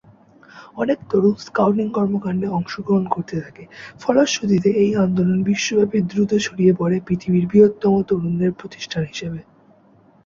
অনেক তরুণ স্কাউটিং কর্মকাণ্ডে অংশগ্রহণ করতে থাকে, ফলস্রুতিতে এই আন্দোলন বিশ্বব্যাপী দ্রুত ছড়িয়ে পড়ে পৃথিবীর বৃহত্তম তরুণদের প্রতিষ্ঠান হিসেবে।